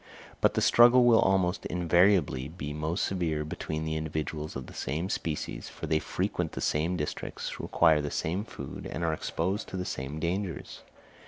But the struggle will almost invariably be most severe between the individuals of the same species, for they frequent the same districts, require the same food, and are exposed to the same dangers.